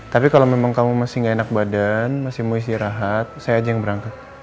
tapi kalau memang kamu masih nggak enak badan masih mau istirahat saya aja yang berangkat